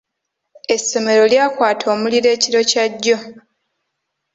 Essomero lyakwata omuliro ekiro kya jjo.